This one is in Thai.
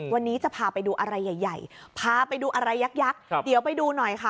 วันนี้จะพาไปดูอะไรใหญ่พาไปดูอะไรยักษ์เดี๋ยวไปดูหน่อยค่ะ